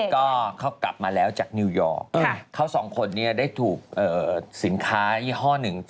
ก็เขากลับมาแล้วจากนิวยอร์กเขาสองคนนี้ได้ถูกสินค้ายี่ห้อหนึ่ง